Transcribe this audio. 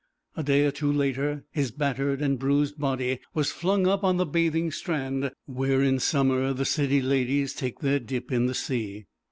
A day or two later his battered and bruised body was flung up on the bathing strand, where in summer the city ladies take their dip in the sea.